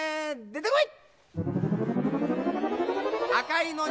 でてこい！